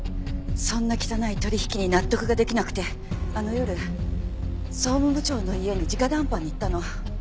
そんな汚い取引に納得ができなくてあの夜総務部長の家に直談判に行ったの。